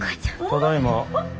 ただいま。